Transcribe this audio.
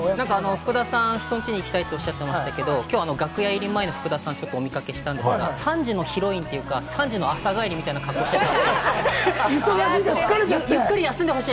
福田さん、人ん家に行きたいって言ってましたけど、今日、楽屋入り前の福田さんをお見かけしたんですが、３時のヒロインっていうか、３時の朝帰りみたいな格好してた。